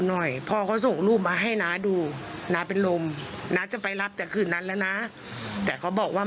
หน่อยพ่อเขาส่งรูปมาให้น้าดูน้าเป็นลมน้าจะไปรับแต่คืนนั้นแล้วนะแต่เขาบอกว่า